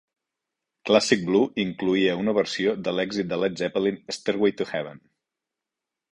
"Classic Blue" incloïa una versió de l'èxit de Led Zeppelin "Stairway to Heaven".